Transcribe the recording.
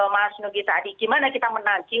mas nugita adi gimana kita menaji